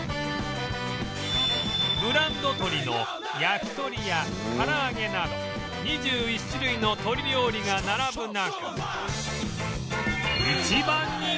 ブランド鶏の焼き鳥や唐揚げなど２１種類の鶏料理が並ぶ中